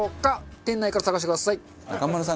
店内から探してください。